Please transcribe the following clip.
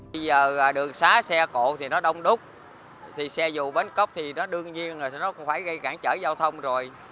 bây giờ đường xá xe cổ thì nó đông đúc xe dù bến cóc thì nó đương nhiên là nó cũng phải gây cản trở giao thông rồi